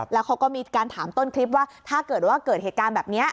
แล้วเขาก็มีการถามต้นคลิปว่าถ้าเกิดว่าเกิดเหตุการณ์แบบนี้